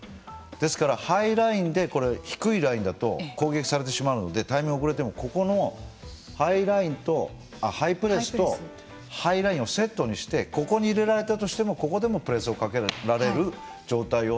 ですからハイラインで低いラインだと攻撃されてしまうのでタイミングが遅れてもここのハイプレスとハイラインをセットにしてここに入れられたとしてもここでもプレスをかけられる状態を。